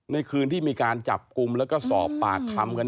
ในคืนที่มีการจับกลุ่มแล้วก็สอบปากคำกัน